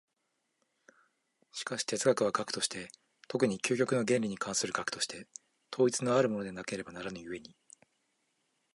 しかし哲学は学として、特に究極の原理に関する学として、統一のあるものでなければならぬ故に、